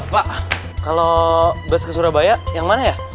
pak kalau bus ke surabaya yang mana ya